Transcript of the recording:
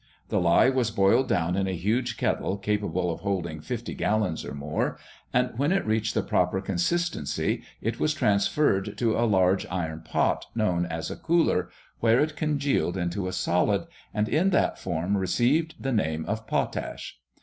The lye was boiled down in a huge kettle capable of holding fifty gallons or more, and, when it reached the proper consistency, it was transferred to a large iron pot, known as a cooler, where it congealed into a solid, and in that form received the name of potash.